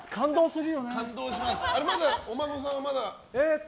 お孫さんはまだ？